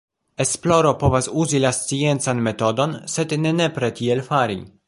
Esploro povas uzi la sciencan metodon, sed ne nepre tiel fari.